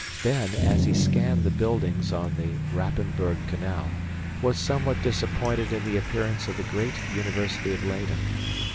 Ben, as he scanned the buildings on the Rapenburg Canal, was somewhat disappointed in the appearance of the great University of Leyden.